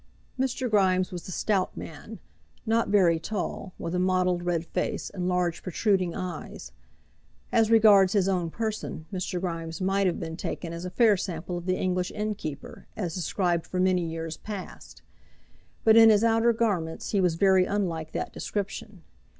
Mr. Grimes was a stout man, not very tall, with a mottled red face, and large protruding eyes. As regards his own person, Mr. Grimes might have been taken as a fair sample of the English innkeeper, as described for many years past. But in his outer garments he was very unlike that description.